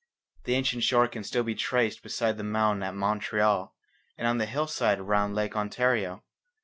The ancient shore can still be traced beside the mountain at Montreal and on the hillsides round Lake Ontario.